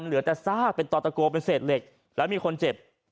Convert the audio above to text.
เหลือแต่ซากเป็นต่อตะโกเป็นเศษเหล็กแล้วมีคนเจ็บ